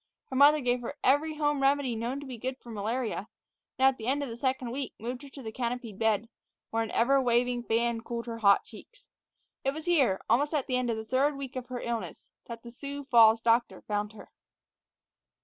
Her mother gave her every home remedy known to be good for malaria, and at the end of the second week moved her to the canopied bed, where an ever waving fan cooled her hot cheeks. It was here, almost at the end of the third week of her illness, that the Sioux Falls doctor found her.